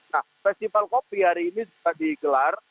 nah festival kopi hari ini juga digelar